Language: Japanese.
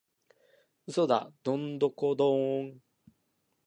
嘘だドンドコドーン！